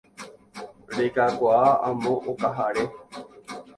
Rekakuaa amo okaháre